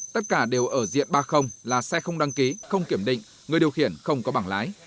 tất cả đều ở diện ba là xe không đăng ký không kiểm định người điều khiển không có bảng lái